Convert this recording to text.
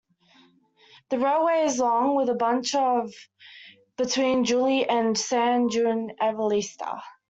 The railway is long, with a branch of between Juile and San Juan Evangelista.